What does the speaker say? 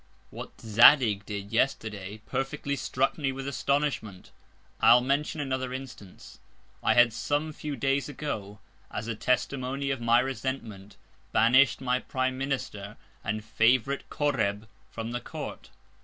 What Zadig did Yesterday perfectly struck me with Astonishment. I'll mention another Instance. I had some few Days ago, as a Testimony of my Resentment, banish'd my Prime Minister, and Favourite Coreb from the Court.